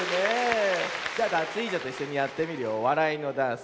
じゃダツイージョといっしょにやってみるよわらいのダンス。